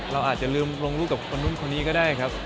เราอาจจะลืมลงรูปกับคนนู้นคนนี้ก็ได้ครับ